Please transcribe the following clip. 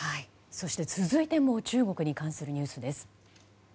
続いても中国に関するニュースです。